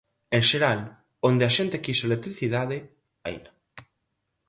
En xeral, onde a xente quixo electricidade, haina.